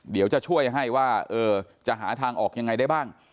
เดี๋ยวจะช่วยให้ว่าจะหาทางออกยังไงได้บ้าง